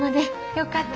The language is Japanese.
よかった。